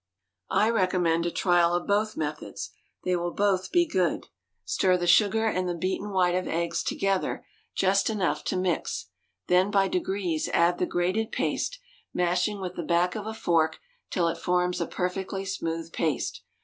I recommend a trial of both methods; they will both be good. Stir the sugar and the beaten white of eggs together just enough to mix, then by degrees add the grated paste, mashing with the back of a fork till it forms a perfectly smooth paste.